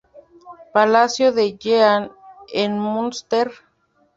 Palacio de Jean en Münster.